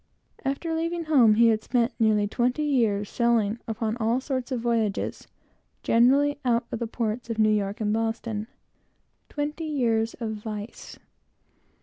After leaving home, he had spent nearly twenty years, sailing upon all sorts of voyages, generally out of the ports of New York and Boston. Twenty years of vice!